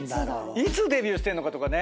いつデビューしてんのかとかね。